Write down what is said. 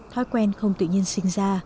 thói quen không tự nhiên sinh ra